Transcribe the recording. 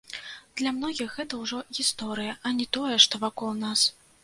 Для многіх гэта ўжо гісторыя, а не тое, што вакол нас.